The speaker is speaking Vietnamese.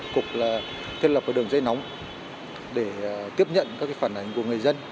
cục là thiết lập cái đường dây nóng để tiếp nhận các cái phản ánh của người dân